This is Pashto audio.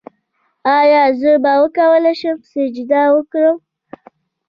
ایا زه به وکولی شم سجده وکړم؟